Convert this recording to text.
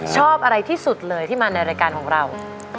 ชอบอะไรที่สุดเลยที่มาในรายการของเรา